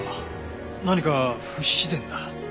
何か不自然だ。